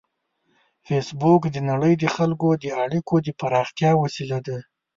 فېسبوک د نړۍ د خلکو د اړیکو د پراختیا وسیله ده